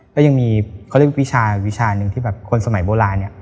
ก็ยังมีวิชาหนึ่งที่คนสมัยโบราณเนี่ย